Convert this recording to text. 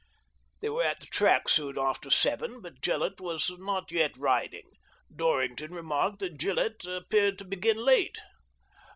They were at the track soon after seven o'clock, but Gillett was not yet riding. Dorrington remarked that Gillett appeared to begin late.